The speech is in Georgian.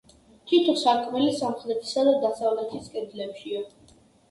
თითო სარკმელი სამხრეთისა და დასავლეთის კედლებშია.